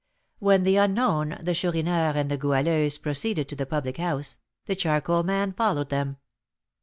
When the unknown, the Chourineur, and the Goualeuse proceeded to the public house, the charcoal man followed them.